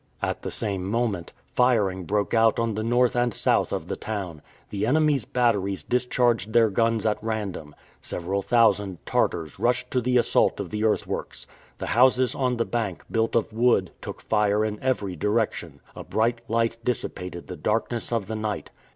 At the same moment, firing broke out on the North and South of the town. The enemy's batteries discharged their guns at random. Several thousand Tartars rushed to the assault of the earth works. The houses on the bank, built of wood, took fire in every direction. A bright light dissipated the darkness of the night.